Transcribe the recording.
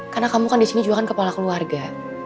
karena kamu kan disini juga kan kepala keluarga